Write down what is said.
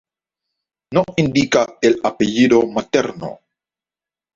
No indica el apellido materno.